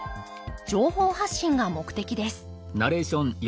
情報発信が目的です